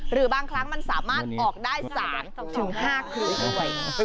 หรือบางครั้งมันสามารถออกได้๓๕เคลือ